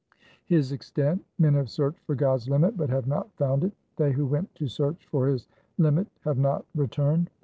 256 THE SIKH RELIGION His extent :— Men have searched for God's limit, but have not found it. They who went to search for His limit have not re turned.